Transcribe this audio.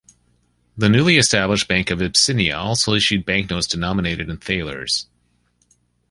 The newly established Bank of Abyssinia also issued banknotes denominated in thalers.